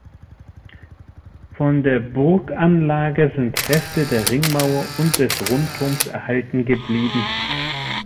Von der Burganlage sind Reste der Ringmauer und des Rundturms erhalten geblieben.